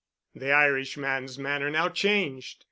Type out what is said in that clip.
The Irishman's manner now changed.